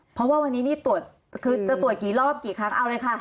เพราะว่าวันนี้นี่ตรวจคือจะตรวจกี่รอบกี่ครั้งเอาเลยค่ะ